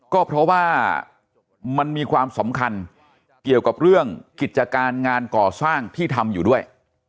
ก็เพราะว่ามันมีความสำคัญเกี่ยวกับเรื่องกิจการงานก่อสร้างที่ทำอยู่ด้วย